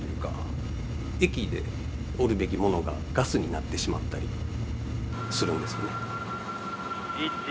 液でおるべきものがガスになってしまったりするんですよね。